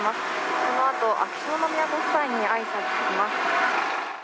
このあと、秋篠宮ご夫妻に挨拶します。